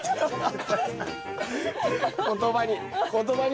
言葉に。